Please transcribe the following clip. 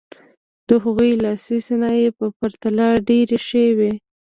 د هغوی لاسي صنایع په پرتله ډېرې ښې وې.